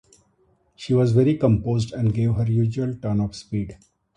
She was very composed and gave her usual turn of speed.